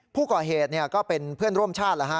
ผู้ก่อเหตุเนี่ยก็เป็นเพื่อนร่วมชาติละฮะ